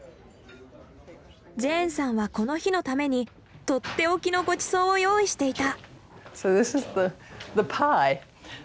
ジェーンさんはこの日のために取って置きのごちそうを用意していた。